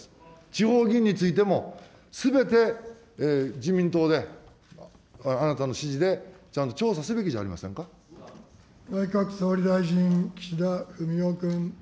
地方議員についても、すべて自民党であなたの指示で、ちゃんと調査すべきじゃありませ内閣総理大臣、岸田文雄君。